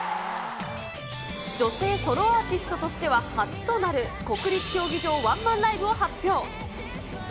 女性ソロアーティストとしては初となる、国立競技場ワンマンライブを発表。